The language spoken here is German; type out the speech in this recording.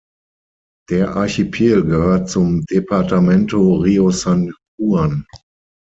Der Archipel gehört zum Departamento Río San Juan.